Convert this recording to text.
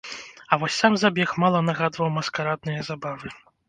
А вось сам забег мала нагадваў маскарадныя забавы.